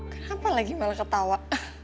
kenapa lagi malah ketawa